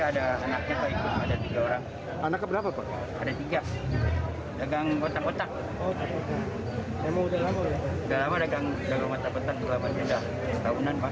ada anaknya ada tiga orang anak keberapa ada tiga dagang otak otak